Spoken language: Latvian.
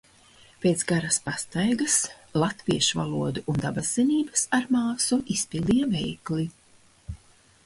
Pēc garas pastaigas latviešu valodu un dabaszinības ar māsu izpildīja veikli.